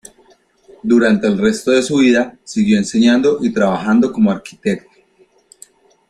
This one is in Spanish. Durante el resto de su vida, siguió enseñando y trabajando como arquitecto.